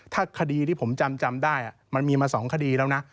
ถ้าคดีที่ผมจำได้มันมีมา๒คดีแล้วนะ